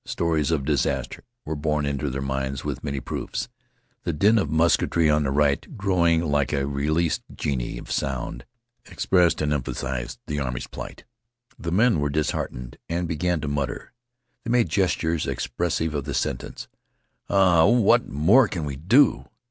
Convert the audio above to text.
Stories of disaster were borne into their minds with many proofs. This din of musketry on the right, growing like a released genie of sound, expressed and emphasized the army's plight. The men were disheartened and began to mutter. They made gestures expressive of the sentence: "Ah, what more can we do?"